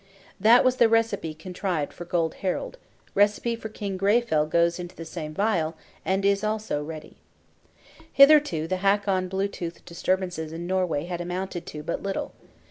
That was the recipe contrived for Gold Harald; recipe for King Greyfell goes into the same vial, and is also ready. Hitherto the Hakon Blue tooth disturbances in Norway had amounted to but little.